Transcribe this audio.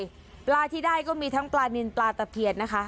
ปลาที่ได้ก็มีทั้งปลานินปลาตะเพียนนะคะ